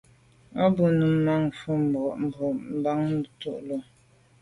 A be num manwù mars bo avril mban to’ nelo.